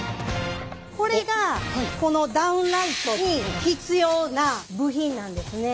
これがこのダウンライトに必要な部品なんですね。